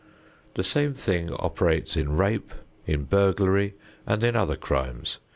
The same thing operates in rape, in burglary, and in other crimes.